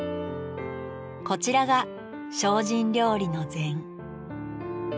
こちらが精進料理の膳。